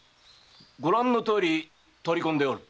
ご覧のとおり取り込んでおる。